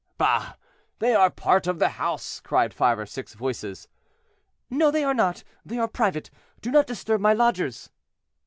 "Bah! they are part of the house," cried five or six voices. "No, they are not; they are private; do not disturb my lodgers."